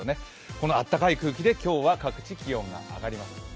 このあったかい空気で今日は各地で気温が上がります。